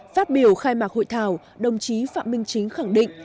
phát biểu khai mạc hội thảo đồng chí phạm minh chính khẳng định